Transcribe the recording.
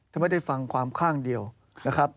ไม่ได้ฟังความข้างเดียวนะครับ